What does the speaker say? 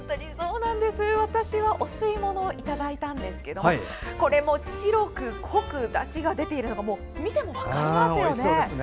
私もお吸い物をいただいたんですがこれも白く濃くだしが出ているのが見ても、分かりますよね。